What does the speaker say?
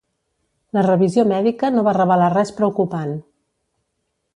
La revisió mèdica no va revelar res preocupant.